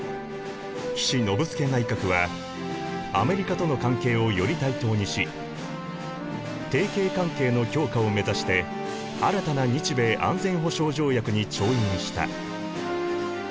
岸信介内閣はアメリカとの関係をより対等にし提携関係の強化を目指して新たな日米安全保障条約に調印した。